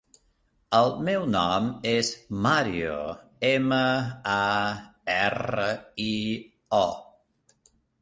El meu nom és Mario: ema, a, erra, i, o.